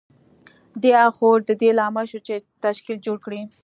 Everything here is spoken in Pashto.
د هغه هوډ د دې لامل شو چې تشکیل جوړ کړي